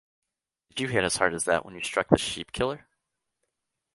Did you hit as hard as that when you struck the sheep-killer?